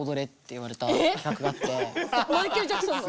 マイケル・ジャクソンの？